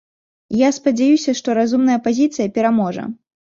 І я спадзяюся, што разумная пазіцыя пераможа.